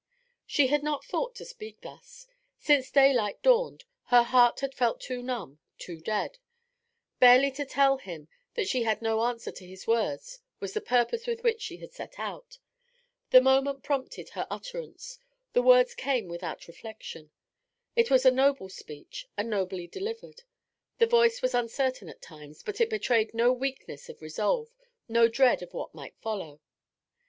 She had not thought to speak thus. Since daylight dawned her heart had felt too numb, too dead; barely to tell him that she had no answer to his words was the purpose with which she had set out. The moment prompted her utterance, and words came without reflection. It was a noble speech, and nobly delivered; the voice was uncertain at times, but it betrayed no weakness of resolve, no dread of what might follow.